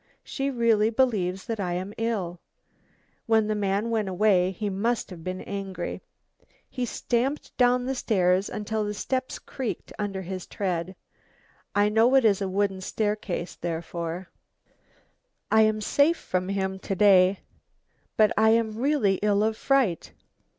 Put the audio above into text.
She really believes that I am ill. When the man went away he must have been angry. He stamped down the stairs until the steps creaked under his tread: I know it is a wooden staircase therefore. "I am safe from him to day, but I am really ill of fright.